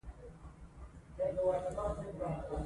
احمد شاه بابا د افغان ملت د هویت ساتونکی و.